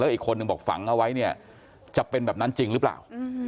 อีกคนนึงบอกฝังเอาไว้เนี่ยจะเป็นแบบนั้นจริงหรือเปล่า